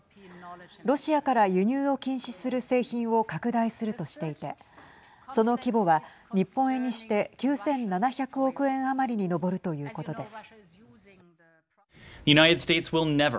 ロシアから輸入を禁止する製品を拡大するとしていてその規模は日本円にして９７００億円余りに上るということです。